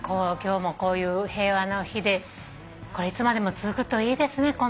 今日もこういう平和な日でこれいつまでも続くといいですね。